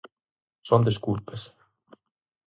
Son desculpas.